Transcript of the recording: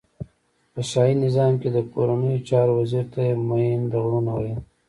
په شاهی نظام کی د کورنیو چارو وزیر ته یی مین د غرونو ویل.